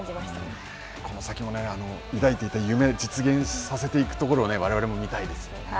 この先も、抱いていた夢、実現させていくところをわれわれも見たいですよね。